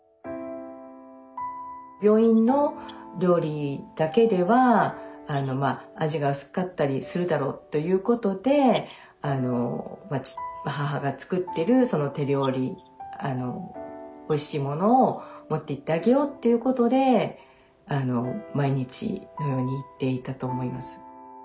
病院の料理だけでは味が薄かったりするだろうということで母が作ってる手料理おいしいものを持っていってあげようっていうことで毎日のように行っていたと思います。